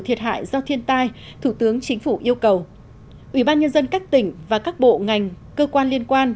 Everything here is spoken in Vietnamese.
thiệt hại do thiên tai thủ tướng chính phủ yêu cầu ubnd các tỉnh và các bộ ngành cơ quan liên quan